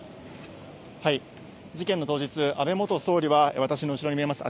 事件の当日、安倍元総理は、私の後ろに見えます